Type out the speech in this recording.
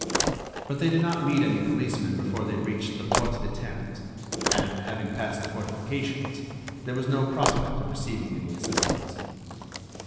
But they did not meet any policemen before they reached the Porte des Ternes, and, having passed the fortifications, there was no prospect of receiving any assistance.